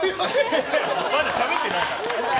まだしゃべってない。